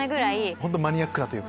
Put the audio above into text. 本当マニアックというか。